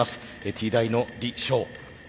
Ｔ大の李昌。